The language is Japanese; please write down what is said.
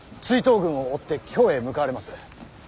追討軍を追って京へ向かわれます。